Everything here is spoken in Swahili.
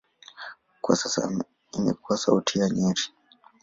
Kwa sasa imekuwa kaunti ya Nyeri.